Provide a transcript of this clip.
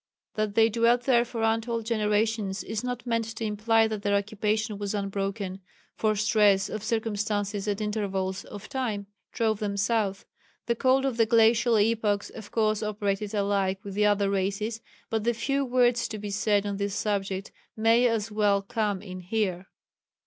That they dwelt there for untold generations is not meant to imply that their occupation was unbroken, for stress of circumstances at intervals of time drove them south. The cold of the glacial epochs of course operated alike with the other races, but the few words to be said on this subject may as well come in here.